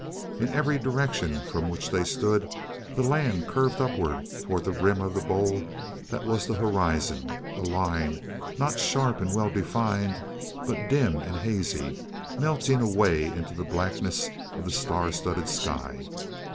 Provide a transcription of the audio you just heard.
In every direction from where they stood the land curved upward towards the rim of the bowl that was the horizon a line, not sharp and well defined, but dim and hazy, melting away into the blackness of the star studded sky.